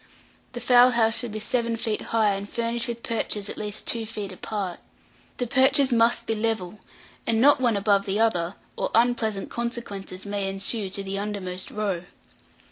The fowl house should be seven feet high, and furnished with perches at least two feet apart. The perches must be level, and not one above the other, or unpleasant consequences may ensue to the undermost row.